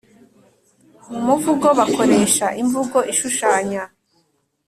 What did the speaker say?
mu muvugo bakoresha imvugo ishushanya,